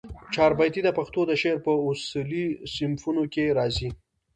چاربیتې د پښتو د شعر په اصیلو صنفونوکښي راځي